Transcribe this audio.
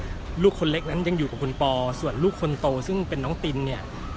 ลูกคนเล็กนั้นยังอยู่กับคุณปอส่วนลูกคนโตซึ่งเป็นน้องตินเนี่ย